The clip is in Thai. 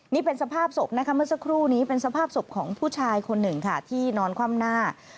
นี่เป็นสภาพศพนะคะเมื่อสักครู่นี้เป็นสภาพศพของผู้ชายคนหนึ่งค่ะที่นอนคว่ำหน้า